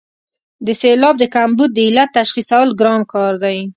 د سېلاب د کمبود د علت تشخیصول ګران کار دی.